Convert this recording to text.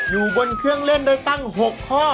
อยู่บนเครื่องเล่นได้ตั้ง๖ข้อ